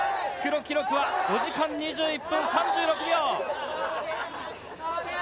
復路記録は５時間２１分３６秒。